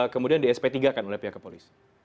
kemudian di sp tiga kan oleh pihak kepolisian